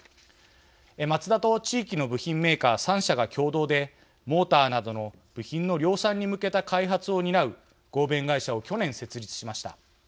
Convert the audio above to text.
マツダと地域の部品メーカー３社が共同でモーターなどの部品の量産に向けた開発を担う合弁会社を去年、設立しました。